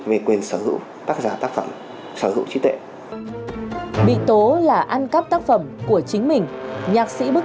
về quyền sở hữu tác giả tác phẩm sở hữu trí tuệ bị tố là ăn cắp tác phẩm của chính mình nhạc sĩ bức